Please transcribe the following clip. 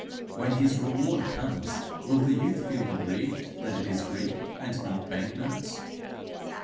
When his reward comes, will the youth feel aggrieved that it is Greek, and not bank notes?